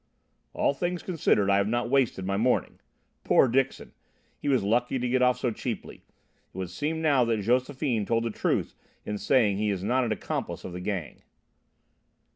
"All things considered, I have not wasted my morning. Poor Dixon! He was lucky to get off so cheaply. It would seem now that Josephine told the truth in saying he is not an accomplice of the Gang."